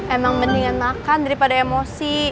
emang mendingan makan daripada emosi